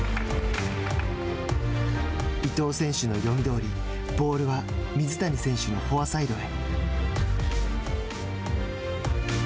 伊藤選手の読みどおりボールは水谷選手のフォアサイドへ。